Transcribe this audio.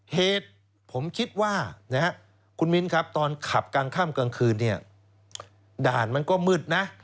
เหตุผมคิดว่าคุณมิ้นครับตอนขับกลางค่ำกลางคืนเนี่ยด่านมันก็มืดนะ